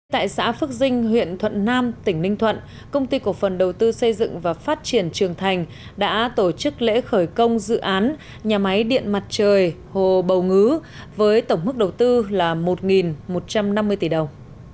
tại xã phước dinh huyện thuận nam tỉnh ninh thuận công ty cổ phần đầu tư xây dựng và phát triển trường thành đã tổ chức lễ khởi công dự án nhà máy điện mặt trời hồ bầu ngứ với tổng mức đầu tư là một một trăm năm mươi tỷ đồng